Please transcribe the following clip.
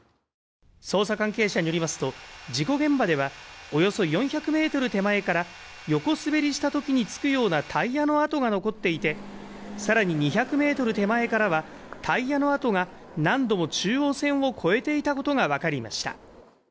捜査関係者によりますと、事故現場ではおよそ４００ｍ手前から横滑りしたときにつくようなタイヤの痕が残っていて更に２００ｍ手前からはタイヤの痕が何度も中央線を越えていたことが分かりました。